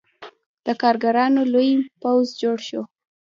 د کارګرانو لوی پوځ جوړ شو.